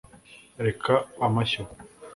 Reka amashyo